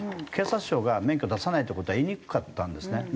警察庁が免許出さないっていう事は言いにくかったんですね。